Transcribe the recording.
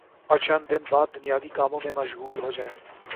اور چند دن بعد دنیاوی کاموں میں مشغول ہو جائیں